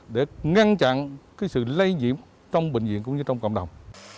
để ngăn chặn sự lây nhiễm trong bệnh viện cũng như trong cộng đồng